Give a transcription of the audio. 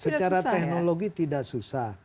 secara teknologi tidak susah